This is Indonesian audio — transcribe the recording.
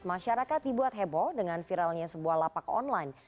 masyarakat dibuat heboh dengan viralnya sebuah lapak online